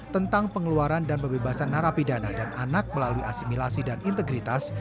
tentang pengeluaran dan pembebasan narapidana dan anak melalui asimilasi dan integritas